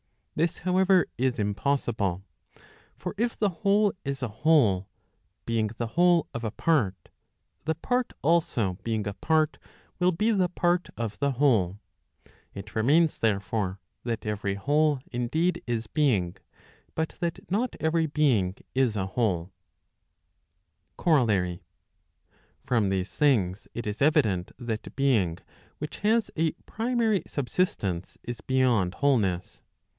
This, however, is impossible. For if the whole is a whole, being the whole of a part, the part also being a part, will be the part of the whole. It remains, therefore, that every whole indeed is being, but that not every being is a whole. * «Aoy is omitted is original. Digitized by t^OOQLe 352 ELEMENTS PROP. LXXIV. COROLLARY. From these things, it is evident that being which has a primary sub¬ sistence is beyond wholeness.